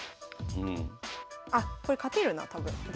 あっこれ勝てるな多分私。